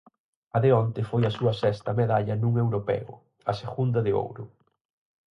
A de onte foi a súa sexta medalla nun Europeo, a segunda de ouro.